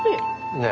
ねえ。